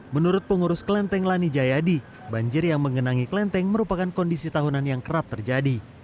menurut pengurus kelenteng lani jayadi banjir yang mengenangi kelenteng merupakan kondisi tahunan yang kerap terjadi